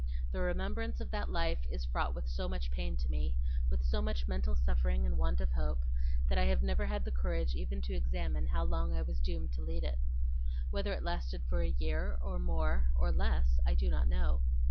The remembrance of that life is fraught with so much pain to me, with so much mental suffering and want of hope, that I have never had the courage even to examine how long I was doomed to lead it. Whether it lasted for a year, or more, or less, I do not know.